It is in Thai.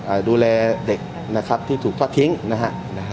ดูแลเด็กนะครับที่ถูกทอดทิ้งนะฮะนะฮะ